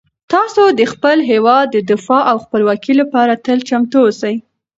تاسو د خپل هیواد د دفاع او خپلواکۍ لپاره تل چمتو اوسئ.